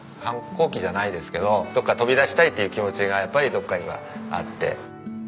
反抗期じゃないですけどどこか飛び出したいっていう気持ちがやっぱりどこかにはあって。